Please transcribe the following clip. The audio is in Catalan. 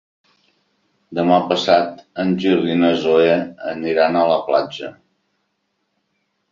Demà passat en Gil i na Zoè aniran a la platja.